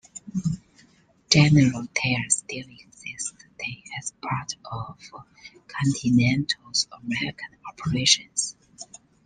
General Tire still exists today as part of Continental's American operations.